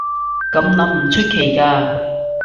噉諗唔出奇㗎